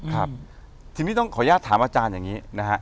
ครับทีนี้ต้องขออนุญาตถามอาจารย์อย่างนี้นะฮะ